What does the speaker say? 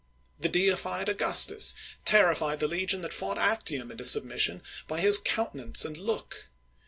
The deified Augustus terrified the legion that fought Actium into submission by his counte nance and look.